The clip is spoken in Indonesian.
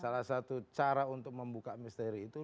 salah satu cara untuk membuka misteri itu